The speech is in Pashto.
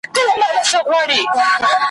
په څه هیلو درته راغلم څه خُمار درڅخه ځمه `